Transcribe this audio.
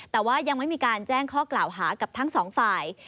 แต่ว่ายังไม่มีการแจ้งข้อกล่าวหากับทั้งสองฝ่าย